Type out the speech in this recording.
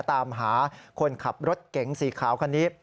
ตามหาคนขับรถเก๋งสีขาวคันนี้